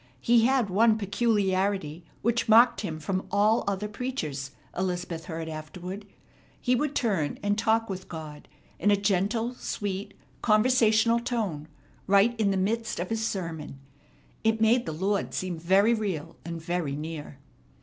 He had one peculiarity which marked him from all other preachers, Elizabeth heard afterward. He would turn and talk with God in a gentle, sweet, conversational tone right in the midst of his sermon. It made the Lord seem very real and very near.